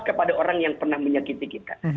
kepada orang yang pernah menyakiti kita